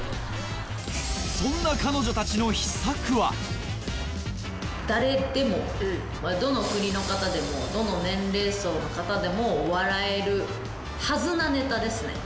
そんな彼女たちの誰でもどの国の方でもどの年齢層の方でも笑えるはずなネタですね。